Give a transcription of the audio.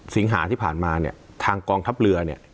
สิงหาที่ผ่านมาเนี่ยทางกองทัพเรือเนี่ย